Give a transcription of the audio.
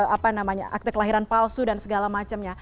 apa namanya akte kelahiran palsu dan lain lain